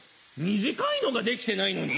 短いのが出来てないのに？